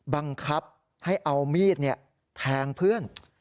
บังคับให้เอามีดแทงเพื่อน